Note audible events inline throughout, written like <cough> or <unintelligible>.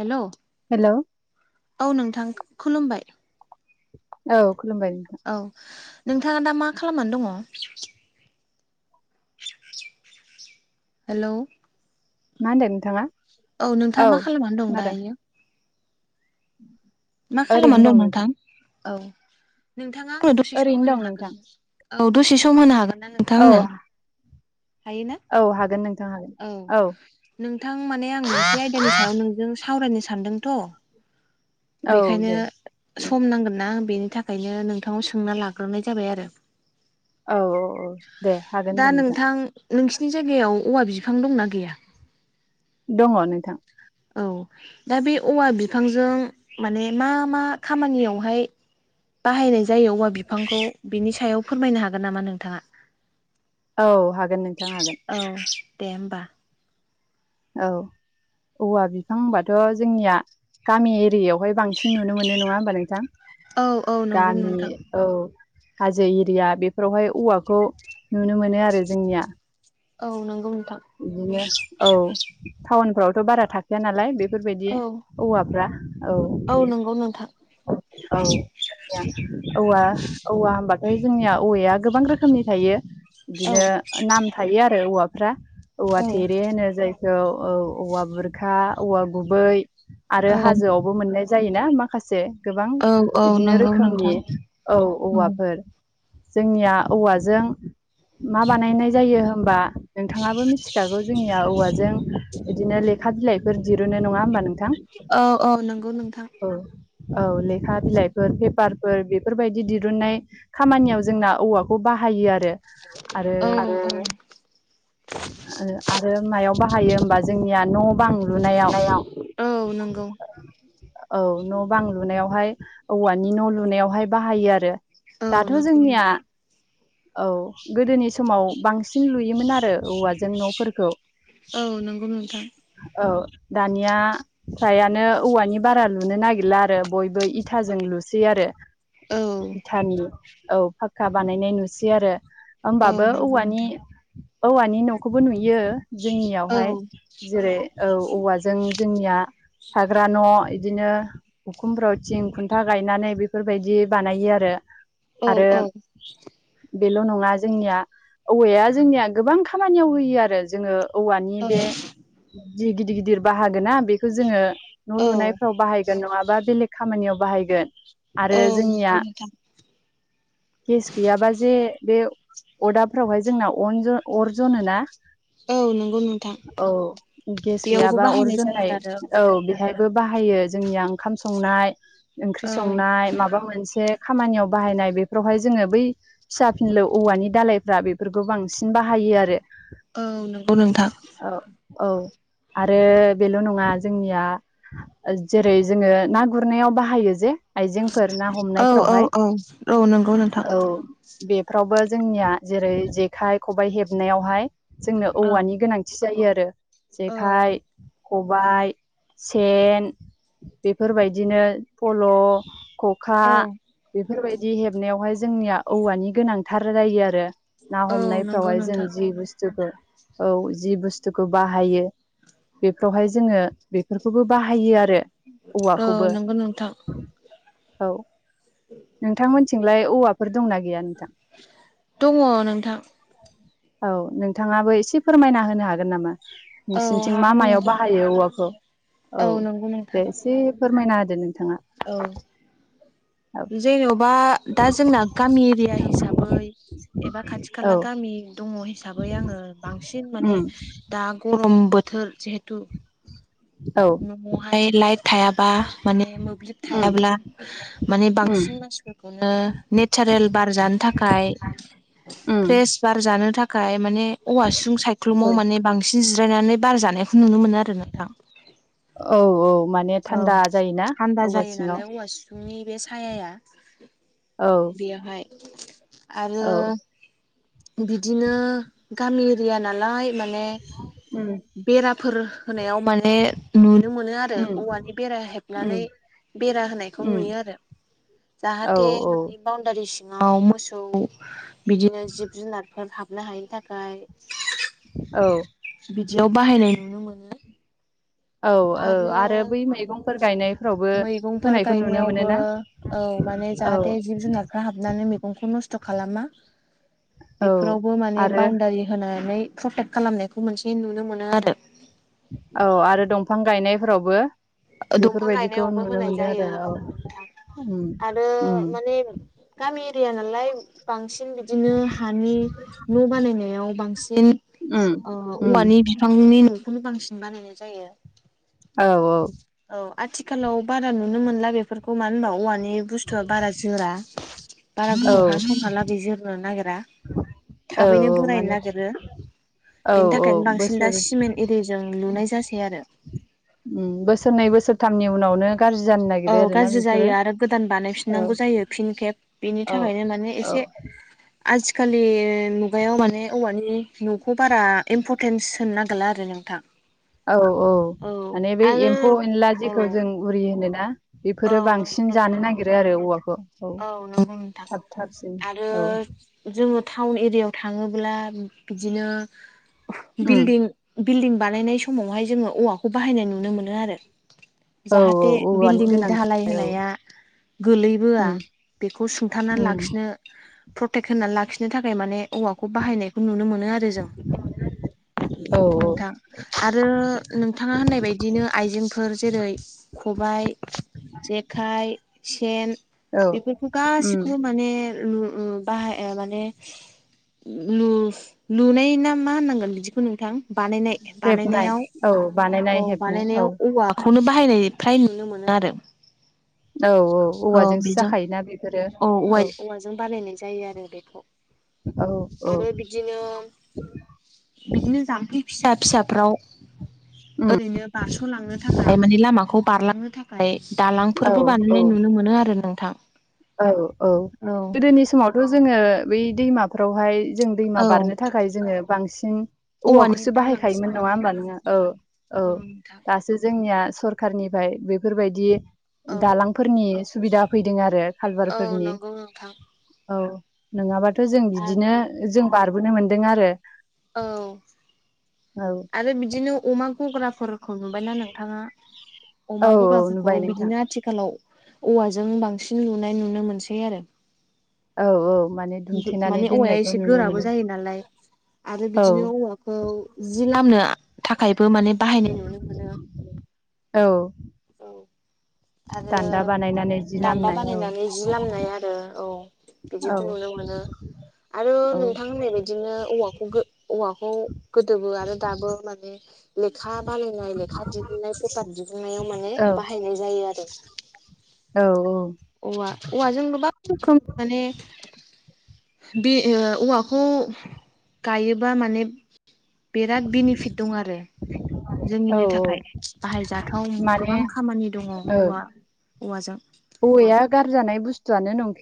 Hello hello औ नोंथां खुलुमबाय औ खुलुमबाय नोंथां औ नोंथाङा दा मा खालामनानै दङ? हेलौ मा होनदो नोंथाङा? औ नोंथाङा मा खालामनानै दं खोनादों दायो? <inaudible> मा खालामनानै दं नोंथां औ नोंथाङा आंनो दसे सम ओरैनो होनो दं नोंथां हागोनना? औ दसे सम होनो हागोनना नोंथां औ आंनो हायोना? औ हागोन नों औ नोंथां माने आं मोनसे आयदानि सायाव नोंजों सावरायनो सानदोंथ' औ बेखायनो दे सम नांगोनना बेनि थाखायनो नोंथांनाव सोंना लाग्रोनाय जाबाय आरो। औ औ औ दे हागोन दे नोंथां नोंसिनि जायगायाव औवा बिफां दंना गैया? दङ नोंथां। औ दा बे औवा बिफांजों माने मा मा खामानियावहाय बाहायनाय जायो औवा बिफांखौ बिनि सायाव फोरमायनो हागोन नामा नोंथाङा? औ हागोन नोंथां हागोन औ दे होमबा औ औवा बिफां होनबाथ' जोंनिया गामि एरियायावहाय बांसिन नुनो मोनो नङा होमबा नोंथां। औ औ नंगौ गामि नोंथां। औ हाजो एरिया बेफोरावहाय औवाखौ नुनो मोनो आरो जोंनिया औ नंगौ नोंथां। बिदिनो औ टाउनफ्रावथ' बारा थाखायाया नालाय बेफोरबायदि औ औवाफ्रा औ नंगौ नोंथां। औ औवा औवा होनबाथाय जोंनिया औवाया गोबां रोखोमनि थायो। औ बिदिनो नाम थायो आरो औवाफ्रा औवा औ थेरे होनो जाय औ औ औवा बुरखा औवा गुबै आरो औ हाजोआवबो मोननाय जायोना माखासे गोबां औ औ बिदिनो नंगौ रोखोमनि नोंथां औ औवाफोर जोंनिया औवाजों मा बानायनाय जायो होमबा नोंथाङाबो मिथि थिखाखौ जोंनिया औवाजों बिदिनो लेखा बिलाइफोर दिरुनो नङा होमबा नोंथां। औ औ नंगौ नोंथां। औ औ लेखा बिलाइफोर पेपारफोर बेफोरबायदि दिरुननाय खामानियाव जोंना औवाखौ बाहायो आरो। आरो औ आरो मायाव बाहायो होमबा जोंनिया न' बां लुनायाव औ नंगौ। औ न' बां लुनायावहाय औवानि न' लुनायावहाय बाहायो आरो। औ दाथ' नंगौ जोंनिया नोंथां औ गोदोनि समाव बांसिन लुयोमोन आरो औवाजों जों न'फोरखौ औ नंगौ नोंथां औ दानिया फारायानो औवानि बारा लुनो नागिरला आरो बयबो इथाजों लुसै आरो। औ इथानि औ फाक्का बानायनाय नुसै आरो औ होमबाबो नंगौ औवानि नोंथां औवानि न'खौबो नुयो औ जोंनियावहाय जेरै औ औवाजों जोंनिया थाग्रा न' बिदिनो उखुमफ्राव थिं खुन्था गायनानै बेफोरबायदि बानायो आरो औ आरो औ बेल' नङा जोंनिया औवाया जोंनिया गोबां खामानि खामानियाव होयो आरो जोङो औवानि औ बे जि गिदिर गिदिर बाहागोन ना बेखौ जोङो न' औ लुनायफ्राव बाहायगोन नङाबा बेलेग खामानियाव बाहायगोन आरो नंगौ जोंनिया नोंथां गेस गैयाबा जे बे अदाबफोरावहाय जोंना अर अरजों जनो ना औ नंगौ नोंथां औ गेस बेयावबो गैयाबा अर बाहायनाय जायो फोजोंननाय आरो औ बेहायबो बाहायो जोंनिया ओंखाम संनाय ओंख्रि औ संनाय माबा मोनसे खामानियाव बाहायनाय बेफोरावहाय जोङो बै फिसा फिनलु औवानि दालायफ्रा बेफोरखौ बांसिन बाहायो आरो औ नंगौ नोंथां। औ औ आरो बेल' नङा जोंनिया जेरै जोङो ना गुरनायाव बाहायो जे आइजेंफोर ना औ औ हमनायफोरावहाय औ औ नंगौ नोंथां औ बेफ्रावबो जोंनिया जेरै जेखाइ खबाइ हेबनायावहाय जोंनो औ औवानि गोनांथि जायो आरो औ जेखाइ खबाय सेन बेफोरबायदिनो फल' खखा औ बेफोरबायदि हेबनायावहाय जोंनिया औवानि गोनांथार जायो आरो ना औ नंगौ हमनायफ्रावहाय नोंथां बि बुसथुखौ औ जि बुस्थुखौ बाहायो बेफोरावहाय जोङो बेफोरखौबो बाहायो आरो औ औवाखौबो नंगौ नोंथां औ नोंथांमोनथिंलाय औवाफोर दंना गैया नोंथां? दङ नोंथां औ नोंथाङाबो इसे फोरमायना होनो हागोन नामा? औ नोंसिनिथिं मा हागोन मायाव नोंथां बाहायो औवाखौ औ नंगौ नोंथां दे इसे फोरमायना होदो नोंथाङा औ औ जेन'बा दा जोंना गामि एरिया हिसाबै एबा खाथि औ खाला गामि दङ हिसाबै आङो बांसिन माने उम दा गरम बोथोर जिहेथु औ न'आवहाय लाइट थायाबा माने मोब्लिब उम थायाब्ला माने उम बांसिन मानसिफोरखौनो नेचारेल बार जानो थाखाय उम फ्रेस बार जानो थाखाय माने औवासुं औ सायख्लुमाव माने बां बांसिन जिरायनानै बार जानायखौ नुनो मोनो आरो औ नोंथां औ औ माने औ थान्दा जायोना आनदार औवा जायो सिङाव नालाय औवा फुंनि बे सायाया औ बेयावहाय आरो औ बिदिनो गामि एरिया नालाय माने उम बेराफोर होनायाव माने नुनो मोनो आरो उम औवानि बेरा उम हेबनानै बेरा होनायखौ उम नुयो आरो औ जाहाथे औ न'नि बाउनडारि सिङाव मोसौ बिदिनो जिब-जुनारफोर हाबनो हायिनि थाखाय औ बिदियाव बाहायनाय मोनो औ औ आरो बै मैगंफोर गायनायफ्रावबो मैगंफोर होनायखौ नुनो गायनायावबो मोनोना औ माने औ जाहाथे जिब-जुनारफ्रा हाबनानै मै गंखौ नस्थ' खालामा औ बेफोरावबो माने आरो बाउणडारि होनानै प्रटेक्ट खालामनायखौ मोनसे नुनो मोनो आरो औ आरो दंफां गायनायफोरावबो दंफां बेफोरबायदिखौ गायनायावबो नुनो होनाय मोनदों आरो जायो औ नोंथां उम आरो उम माने गामि एरिया नालाय बांसिन बिदिनो हानि न' बानायनायाव बांसिन उम ओ उम औवानि बिफांनि न'खौनो बांसिन बानायनाय जायो औ औ औ आथिखालाव बारा नुनो मोनला बेफोरखौ मानो होनबा औवानि बुस्थुआ बारा जोरा बारा औ गोबाव हा समहालागै जोरनो नागिरा औ औ थाबैनो बोरायनो माने नागिरो औ बेनि औ थाखायनो बांसिन दा बोसोर सिमेन्ट एरिजों लुनाय जासै आरो ओम बोसोरनै बोसोरथामनि उनावनो गाज्रि जानो औ नागिरो आरोना गाज्रि जायो बेफोरो आरो गोदान औ बानायफिननांगौ जायो फिन खेब बेनि औ थाखायनो माने औ एसे <inaudible> आजिखालि मुगायाव माने औवानि न'खौ बारा इम्परटेन्स होनो नागिरला आरो नोंथां <inaudible> औ औ माने बे आरो एम्फौ-एनला औ जेखौ जों उरि होनोना बेफोरो औ नंगौ बांसिन नोंथां। जानो नागिरो आरो औवाखौ औ नंगौ नोथां थाब थाबसिन आरो औ जोङो थाउन एरियाव थाङोब्ला बिदिनो उम बिल्डिं बिल्डिं बानायनाय समावहाय जोङो औवाखौ बाहायनाय नुनो मोनो आरो। औ औ जाहाथे औवानि बिल्डिंनि धाहालाय गोनांथार औ होनाया उम गोलैबोआ बेखौ सुंथानानै उम लाखिनो प्रटेक्ट होनानै लाखिनो थाखाय माने औवाखौ बाहायनायखौ नुनो मोनो आरो जों औ नोंथां आरो नोंथाङा होननाय बायदिनो आइजेंफोर जेरै खबाइ, जेखाइ, सेन औ बेफोरखौ गासिखौबो उम माने लु ओ बाहाय आ माने लु लुनाय ना मा होननांगोन बिदिखो नोंथां? बानायनाय हेबनाय बानायनायाव औ बानायनाय औ हेबनाय औ बानायनायाव औवा खौनो बाहायनाय फ्राय नुनो मोनो आरो। औ औ औ औवाजोंसो बेजों जाखायोना बेफोर औ औवा औवाजों बानायनाय जायो आरो बेखौ औ औ आरो बिदिनो बिदिनो जाम्फै फिसा फिसाफ्राव उम ओरैनो बारस'लांनो थाखाय माने लामाखौ बारलांनो थाखा य औ दालांफोरबो औ बानायनाय नुनो मोनो आरो नोंथां। औ औ औ गोदोनि समावथ' जोङो बै दैमाफ्रावहाय जों दैमा औ बारनो थाखाय जोङो बांसिन औवानि औवाखौसो दालांसो बाहायखायोमोन नङा ओमबा बानायोमोन नोङो औ औ दासो जोंनिया सरखारनिफ्राय बेफोरबायदि औ नोंथां औ दालांफोरनि सुबिदा फैदों आरो औ लेबारफोरनि नंगौ नोंथां औ नोङाबाथ' जों बिदिनो आरो जों बारबोनो मोनदों आरो। औ औ आरो बिदिनो अमा गग्राफोर खौ नुबायना नोंथाङा अमा औ औ गग्राफोरखौ नुबाय नोंथां बिदिनो आथि खालाव औवाजों बांसिन लुनाय नुनो मोनसै आरो। औ औ माने <unintelligible> दुमथेनानै माने औवाया दोननायखौ एसे नुनो गोराबो मोनो जायो नालाय। आरो औ बिदिनो औवाखौ जि लामनो थाखायबो माने बाहायनाय नुनो मोनो औ औ आरो दान्दा बानायना दान्दा बानायनानै जि लामनाय आरो औ औ बिदिखौ नुनो मोनो। आरो औ नोंथां होननाय बाय दिनो औवाखौ गो औवाखौ गोदोबो आरो दाबो माने लेखा बानायायनाय लेखा दिहुननाय पेपार दिहुननायाव माने औ बाहायनाय जायो आरो। <unintelligible> औ औ औवा औवाजों गोबां रोखोमनि माने बि ओ औवाखौ गायोबा माने बेराद बिनिफिट दं आरो। औ जोंनिनो थाखाय बाहायजाथाव माने गोबां खामानि दङ औ औवा औवाजों औवाया गारजानाय बुस्थुआनो नं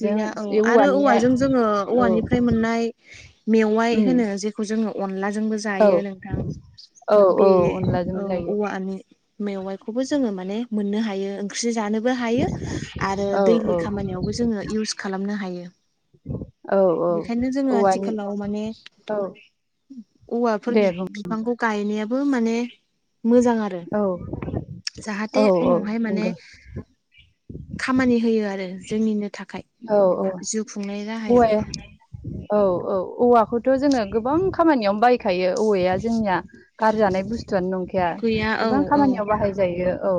गैया औ आरो औवाजों जोङो औ औवानिफ्राय मोननाय मेवाइ उम होनो जे खौ जोङो अनलाजोंबो औ जायो नोंथां औ औ बे अनलाजों औ जायो औवानि मेवाइखौबो जोङो माने मोननो हायो ओंख्रि जानोबो हायो आरो औ दैलि औ खामानियावबो जोङो इउस खालामनो हायो। औ औ बेखायनो जोङो औवानि आथिखालाव माने औ औवाफोर दे बि बुं बि फांखौ गायनायाबो माने मोजां आरो औ जाहाथे औ औ उनावहाय माने नंगौ खामानि होयो आरो जोंनिनो था औ औ जिउ खुंनाय रा औवाया औ औ औवाखौथ' जोङो गोबां खामानियावनो बायखायो औवाया जोंनिया गार जानाय बुस्थुआनो नंखाया गैया औ गोबां औ खामानियाव बाहायजायो औ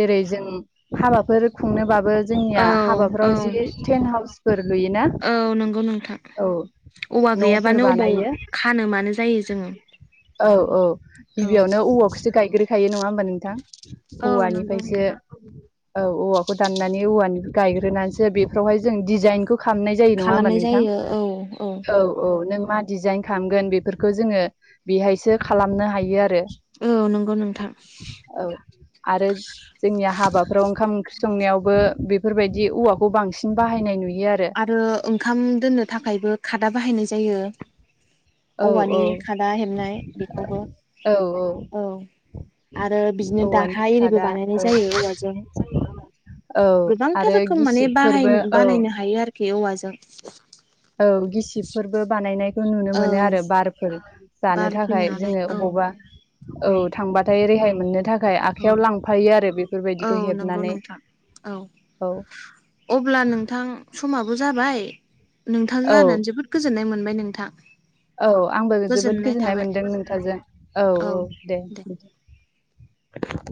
जेरै जों हाबाफोर खुंनोबाबो जोंनिया औ औ हाबाफ्राव जि टेन्ट हाउसफोर लुयोना औ नंगौ नोंथां औ औवा न'फोर गैयाबानो अबाव बानायो खानो मानो जायो जोङो औ औ औ गिबियावनो औवाखौसो गायग्रोखायो नङा ओमबा नोंथां औ नंगौ औवानिफ्रायसो नोंथां औ औवाखौ दाननानै औवानि गायग्रोनानैसो बेफ्रावहाय जों डिजाइनखौ खालामनाय जायो जायो नङा ओमबा खालामनाय नोंथां जायो औ औ औ नों मा डिजाइन खालामगोन बेफोरखौ जोङो बेहायसो खालामनो हायो आरो औ नंगौ नोंथां औ आरो जोंनिया हाबाफ्राव ओंखाम ओंख्रि संनायावबो बेफोरबायदि औवाखौ बांसिन बाहायनाय नुयो आरो आरो ओंखाम दोननो थाखायबो खादा बाहायनाय जायो औ औवानि औ खादा हेबनाय बेखौबो औ आरो बिदिनो औवानि दारहा आरैबो खादा बानायनाय औ जायो औवाजों औ गोबांथार आरो रोखोम माने बाहाय गिसिबफोरबो औ बानायनो हायो आरोखि औवाजों औ गिसिबफोरबो बानायनायखौ नुनो औ मोनो आरो बारफोर जानो बारफिनो थाखाय हानाय जोङो औ अबावबा औ थांबाथाय रेहाय मोननो था खाय औ आखाइयाव लांफायो आरो औ बेफोरबायदिखौ नंगौ हेबनानै नोंथां औ औ अब्ला नोंथां समाबो जाबाय नोंथां औ रायलायनानै जोबोद गोजोननाय मोनबाय नोंथां औ आंबो जोबोद गोजोननाय मोन्दों नोंथांजों औ औ दे <inaudible>